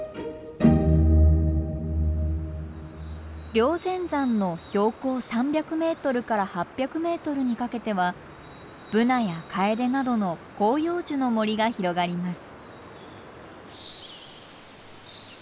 霊仙山の標高３００メートルから８００メートルにかけてはブナやカエデなどの広葉樹の森が広がります。